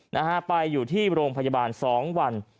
นะฮะไปอยู่ที่โรงพยาบาลสองวัน